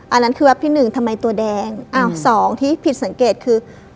อันนั้นคือแป๊บที่หนึ่งทำไมตัวแดงอ้าวสองที่ผิดสังเกตคือ